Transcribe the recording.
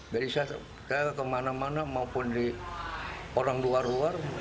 jadi saya kemana mana maupun di orang luar luar